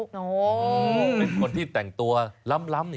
เป็นคนที่แต่งตัวล้ำนี่